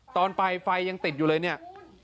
ตอนไปไฟยังติดอยู่เลย